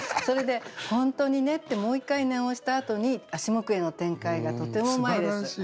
それで「ほんとにね」ってもう一回念を押したあとに下句への展開がとてもうまいです。